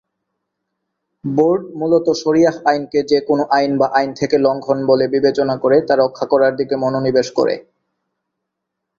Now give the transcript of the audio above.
Board মূলত শরীয়াহ আইনকে যে কোনও আইন বা আইন থেকে লঙ্ঘন বলে বিবেচনা করে তা রক্ষা করার দিকে মনোনিবেশ করে।